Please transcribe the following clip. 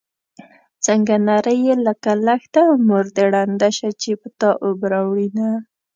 څنګه نرۍ يې لکه لښته مور دې ړنده شه چې په تا اوبه راوړينه